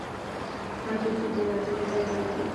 هډوکي بېلابېلې دندې لري.